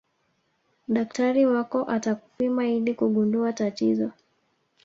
daktari wako atakupima ili kugundua tatizo